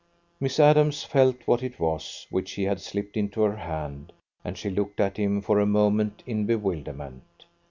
Miss Adams felt what it was which he had slipped into her hand, and she looked at him for a moment in bewilderment.